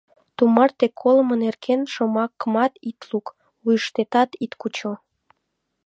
Тумарте колымо нерген шомакымат ит лук, вуйыштетат ит кучо.